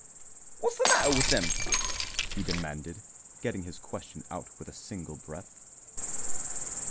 "What's the matter with them?" he demanded, getting his question out with a single breath.